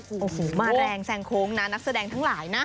โอ้โหมาแรงแซงโค้งนะนักแสดงทั้งหลายนะ